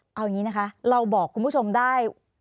เอาอย่างนี้นะคะเราบอกคุณผู้ชมได้